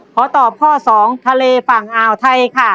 ขอตอบข้อ๒ทะเลฝั่งอ่าวไทยค่ะ